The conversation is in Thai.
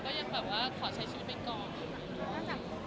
เราก็ยังขอใช้ชีวิตให้ก่อน